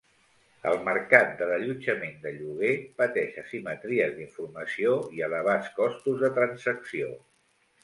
El mercat de l'allotjament de lloguer pateix asimetries d'informació i elevats costos de transacció.